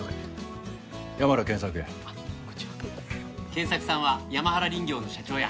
賢作さんは山原林業の社長や。